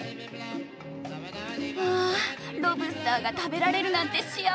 あロブスターが食べられるなんて幸せ！